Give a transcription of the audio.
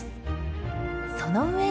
その上で。